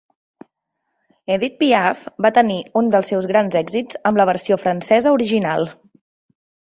Edith Piaf va tenir un dels seus grans èxits amb la versió francesa original.